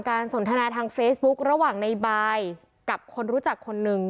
สนทนาทางเฟซบุ๊คระหว่างในบายกับคนรู้จักคนหนึ่ง